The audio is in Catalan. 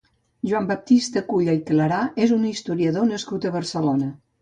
Joan Baptista Culla i Clarà és un historiador nascut a Barcelona.